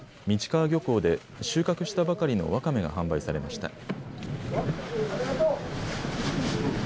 道川漁港で収穫したばかりのわかめが販売されました。